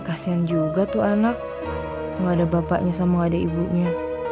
kasian juga tuh anak nggak ada bapaknya sama ada ibunya